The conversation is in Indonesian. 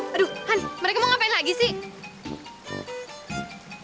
aduh han mereka mau ngapain lagi sih